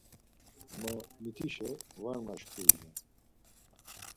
Ma mitişe var maşǩurinen.